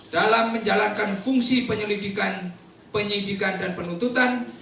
dalam menjalankan fungsi penyelidikan penyidikan dan penuntutan